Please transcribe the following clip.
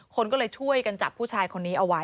คนก็เลยช่วยกันจับผู้ชายคนนี้เอาไว้